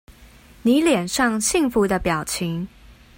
妳臉上幸福的表情